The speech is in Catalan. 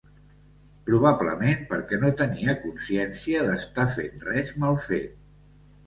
Probablement perquè no tenien consciència d'estar fent res mal fet.